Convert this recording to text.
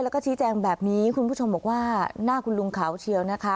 แล้วก็ชี้แจงแบบนี้คุณผู้ชมบอกว่าหน้าคุณลุงขาวเชียวนะคะ